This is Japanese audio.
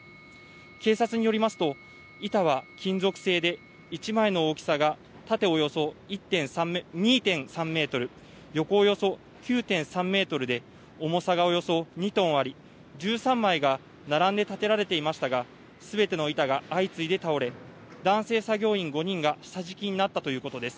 警察によりますと、板は金属製で、１枚の大きさが縦およそ２．３メートル、横およそ９．３メートルで、重さがおよそ２トンあり、１３枚が並んで立てられていましたが、すべての板が相次いで倒れ、男性作業員５人が下敷きになったということです。